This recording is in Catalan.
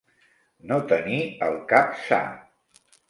No tenir el cap sa.